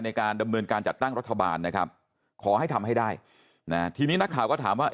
ในการดำเนินการจัดตั้งรัฐบาลนะครับขอให้ทำให้ได้นะทีนี้นักข่าวก็ถามว่า